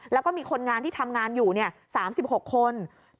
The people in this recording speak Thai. แล้วก็มีคนงานที่ทำงานอยู่๓๖คน